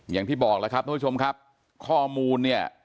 อย่างที่บอกแล้วครับทุกผู้ชมครับข้อมูลเนี่ย